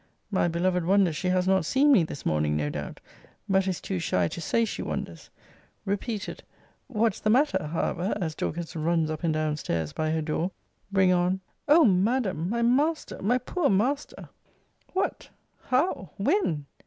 My beloved wonders she has not seen me this morning, no doubt; but is too shy to say she wonders. Repeated What's the matter, however, as Dorcas runs up and down stairs by her door, bring on, O Madam! my master! my poor master! What! How! When!